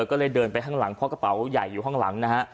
ก็เลยเดินไปข้างหลังเพราะกระเป๋าใหญ่อยู่ข้างหลังนะฮะ